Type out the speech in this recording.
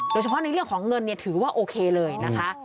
โดยเฉพาะในเรื่องของเงินเนี่ยถือว่าโอเคเลยนะคะ